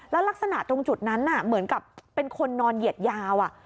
แล้วลักษณะตรงจุดนั้นเหมือนกับเป็นคนนอนเหยียดยาว